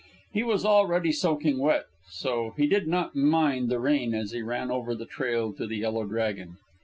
He was already soaking wet, so he did not mind the rain as he ran over the trail to the Yellow Dragon.